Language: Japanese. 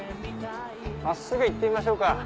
真っすぐ行ってみましょうか。